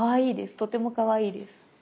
とてもかわいいです。